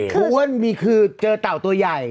้วนมีคือเจอเต่าตัวใหญ่